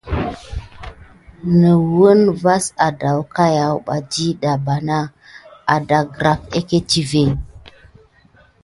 Ne kuna vase adaougayaba dida mbana adagran egətivé.